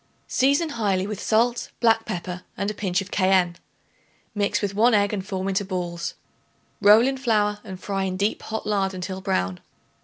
Season highly with salt, black pepper and a pinch of cayenne. Mix with 1 egg and form into balls; roll in flour and fry in deep hot lard until brown.